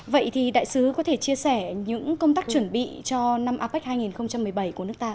vậy thì đại sứ có thể chia sẻ những công tác chuẩn bị cho năm apec